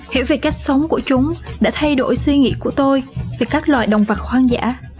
hiểu về cách sống của chúng đã thay đổi suy nghĩ của tôi về các loại động vật hoang dã